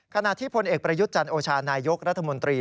ขณะที่พลเอกประยุทธ์จันโอชานายกรัฐมนตรี